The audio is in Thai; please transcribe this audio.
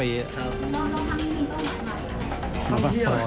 ลองทางนี้มีต้องมาก่อน